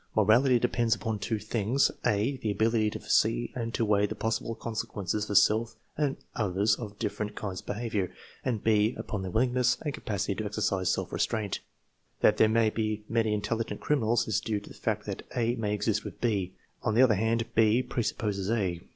Morality depends upon two things: (a) the ability to foresee and to weigh the possible consequences for self and others of different kinds of behavior; and (6) upon the willingness and capacity to exercise self restraint. That there are many intelligent criminals is due to the fact that (a) may exist with (6). On the other hand, (6) presupposes (a).